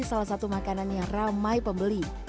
salah satu makanan yang ramai pembeli